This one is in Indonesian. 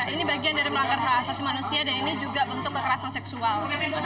ini bagian dari melanggar hak asasi manusia dan ini juga bentuk kekerasan seksual